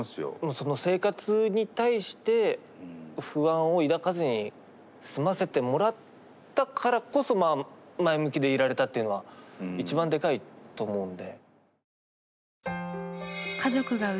その生活に対して不安を抱かずに済ませてもらったからこそまあ前向きでいられたっていうのは一番でかいと思うんで。